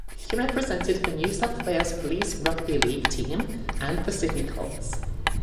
He represented the New South Wales Police rugby league team and the Sydney Colts.